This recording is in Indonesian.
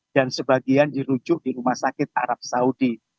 dan sebagian dirujuk di rumah sakit arab saudi